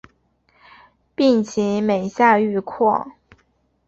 病情每下愈况